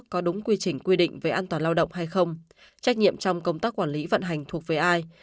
có đúng quy trình quy định về an toàn lao động hay không trách nhiệm trong công tác quản lý vận hành thuộc về ai